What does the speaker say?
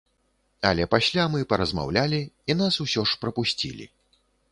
Але пасля мы паразмаўлялі, і нас усё ж прапусцілі.